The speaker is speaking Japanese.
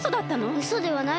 うそではないです。